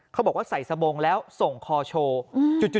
เขาบอกว่าใส่สบงแล้วส่งคอโชว์จู่